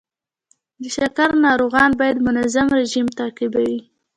د شکر ناروغان باید منظم رژیم تعقیبول.